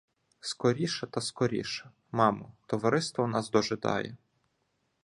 Скоріше та скоріше, мамо, товариство нас дожидає.